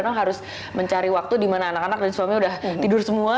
karena harus mencari waktu dimana anak anak dan suami udah tidur semua